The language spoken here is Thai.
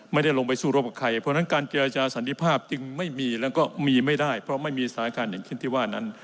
ไม่ได้ลงไปสู้รบกับใครเพราะฉะนั้นการเจรจาสันติภาพจึงไม่มีแล้วก็มีไม่ได้เพราะไม่มีสถานการณ์อย่างเช่นที่ว่านั้น